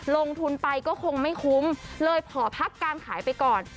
ลงทุนไปก็คงไม่คุ้มเลยขอพักการขายไปก่อน